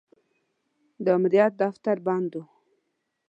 د امریت دفتر بند و.